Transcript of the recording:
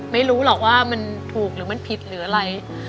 ไม่รู้หรอกว่ามันถูกหรือมันผิดหรืออะไร